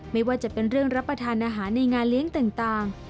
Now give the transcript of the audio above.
ไม่ว่าจะเป็นเรื่องรับประทานอาหารในงานเลี้ยงต่าง